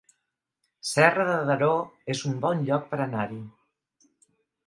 Serra de Daró es un bon lloc per anar-hi